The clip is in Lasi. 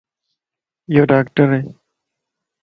يو ڊاڪٽر ائي